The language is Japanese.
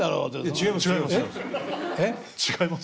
違いますよ。